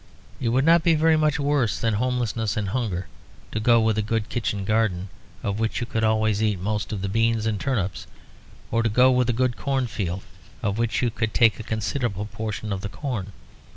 It would not be very much worse than homelessness and hunger to go with a good kitchen garden of which you could always eat most of the beans and turnips; or to go with a good cornfield of which you could take a considerable proportion of the corn.